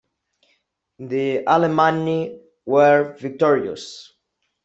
The Alemanni were victorious.